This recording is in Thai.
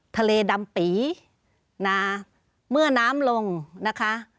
ทะเลดำปีนะเมื่อน้ำลงนะคะ